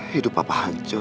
hidup papa hancur